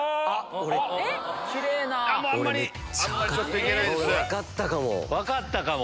俺分かったかも。